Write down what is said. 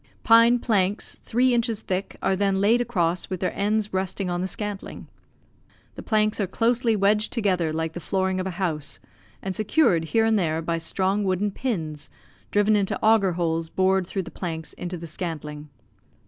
Pine planks, three inches thick, are then laid across with their ends resting on the scantling. The planks are closely wedged together like the flooring of a house, and secured here and there by strong wooden pins, driven into auger holes bored through the planks into the scantling.